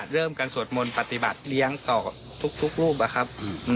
เริ่มกันสวดมนต์ปฏิบัติเลี้ยงต่อทุกรูป